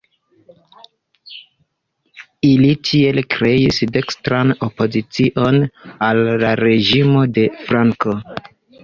Ili tiel kreis "dekstran opozicion" al la reĝimo de Franko.